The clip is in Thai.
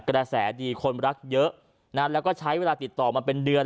กระแสดีคนรักเยอะนะแล้วก็ใช้เวลาติดต่อมาเป็นเดือน